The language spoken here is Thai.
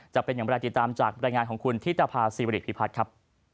จะเป็นอย่างไรติดตามจากบรรยายงานของคุณธิตภาษีบริพิพัฒน์ครับ